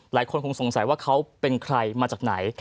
หลายคนคงสงสัยว่าเขาเป็นใครมาจากไหน